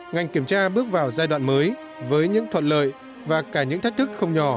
ngành kiểm tra bước vào giai đoạn mới với những thuận lợi và cả những thách thức không nhỏ